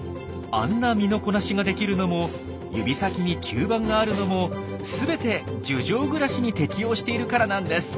あんな身のこなしができるのも指先に吸盤があるのも全て樹上暮らしに適応しているからなんです。